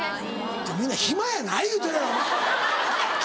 みんな暇やない言うてるやろ！